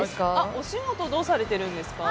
お仕事、どうされてるんですか。